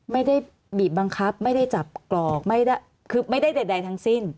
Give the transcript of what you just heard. ไม่ได้บีบบังคับไม่ได้จับกรอกไม่ได้คือไม่ได้ใดทั้งสิ้น